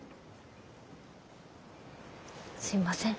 すいません。